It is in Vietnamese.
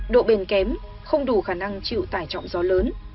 độ bền kém không đủ khả năng chịu tải trọng gió lớn